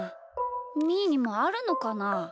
みーにもあるのかな？